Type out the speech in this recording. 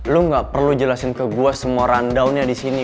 lu nggak perlu jelasin ke gua semua rundownnya di sini